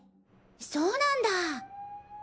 そうなんだ。